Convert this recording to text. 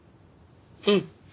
うん。